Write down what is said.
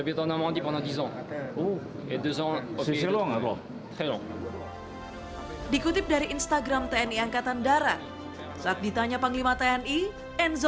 berapa lama anda tinggal di paris